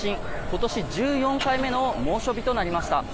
今年１４回目の猛暑日となりました。